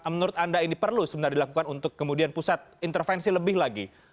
menurut anda ini perlu sebenarnya dilakukan untuk kemudian pusat intervensi lebih lagi